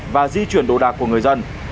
và di chuyển đồ đạc của người dân